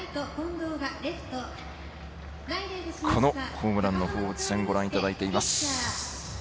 ホームランの放物線をご覧いただいています。